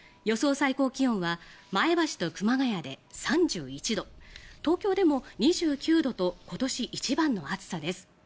最高気温は前橋と熊谷で３１度東京でも２９度と今年一番の暑さです。